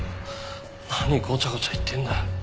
何ごちゃごちゃ言ってんだ。